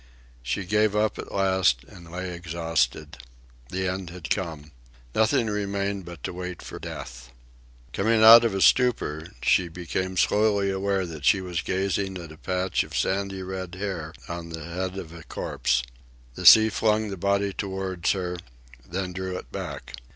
She gave up at last, and lay exhausted. The end had come. Nothing remained but to wait for death. Coming out of a stupor, she became slowly aware that she was gazing at a patch of sandy red hair on the head of a corpse. The sea flung the body toward her, then drew it back.